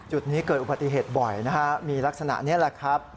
จุดนี้เกิดอุบัติเหตุบ่อยนะฮะมีลักษณะนี้แหละครับ